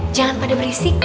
jangan pada berisik